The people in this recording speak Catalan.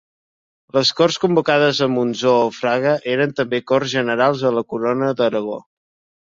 Les Corts convocades a Montsó o Fraga eren també Corts Generals de la Corona d'Aragó.